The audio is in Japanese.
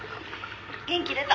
元気出た」